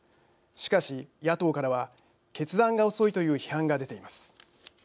しかし、野党からは決断が遅いという批判が出ています。